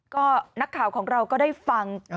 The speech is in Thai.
ก็นักข่าวของเราก็ได้ฟัง